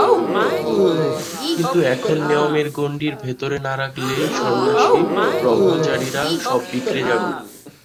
কিন্তু এখন নিয়মের গণ্ডীর ভেতর না রাখলে সন্ন্যাসী-ব্রহ্মচারীরা সব বিগড়ে যাবে।